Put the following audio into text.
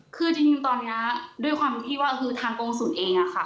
คือทีมตอนนี้ด้วยความที่ว่าคือทางกงสุนเองค่ะ